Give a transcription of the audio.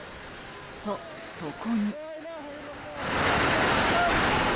と、そこに。